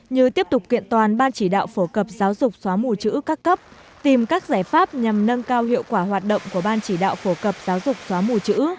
như tiếp tục kiện toàn ban chỉ đạo phổ cập giáo dục xóa mù chữ các cấp tìm các giải pháp nhằm nâng cao hiệu quả hoạt động của ban chỉ đạo phổ cập giáo dục xóa mù chữ